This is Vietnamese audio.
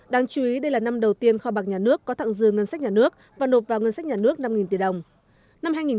đáng chú ý đây là năm đầu tiên kho bạc nhà nước có thẳng dư ngân sách nhà nước và nộp vào ngân sách nhà nước năm tỷ đồng